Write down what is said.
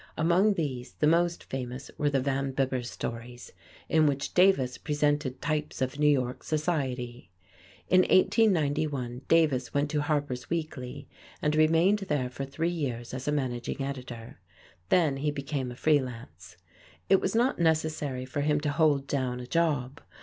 Among these the most famous were the Van Bibber stories, in which Davis presented types of New York society. In 1891 Davis went to Harper's Weekly and remained there for three years as managing editor. Then he became a free lance. It was not necessary for him to "hold down a job."